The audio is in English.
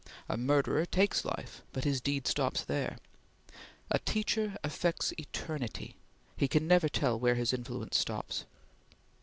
A murderer takes life, but his deed stops there. A teacher affects eternity; he can never tell where his influence stops.